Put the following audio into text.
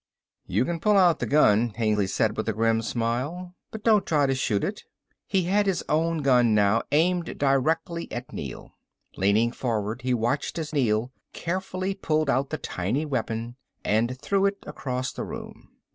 "You can pull out the gun," Hengly said with a grim smile, "but don't try to shoot it." He had his own gun now, aimed directly at Neel. Leaning forward he watched as Neel carefully pulled out the tiny weapon and threw it across the room.